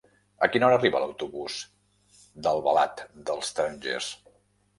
A quina hora arriba l'autobús d'Albalat dels Tarongers?